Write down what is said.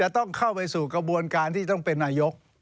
ต้องเข้าไปสู่กระบวนการที่ต้องเป็นนายก